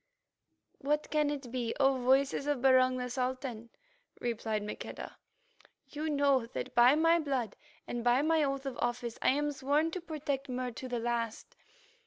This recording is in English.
"What can it be, O Voices of Barung the Sultan?" replied Maqueda. "You know that by my blood and by my oath of office I am sworn to protect Mur to the last."